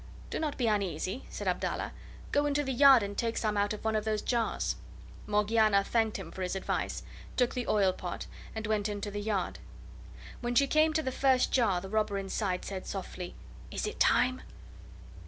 "Do not be uneasy," said Abdallah; "go into the yard and take some out of one of those jars." Morgiana thanked him for his advice, took the oil pot, and went into the yard. When she came to the first jar the robber inside said softly: "Is it time?"